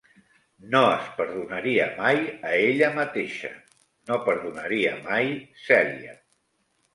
No es perdonaria mai a ella mateixa; no perdonaria mai Celia.